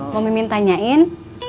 mau mimin tanyain